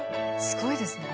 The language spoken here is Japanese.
すごいですね。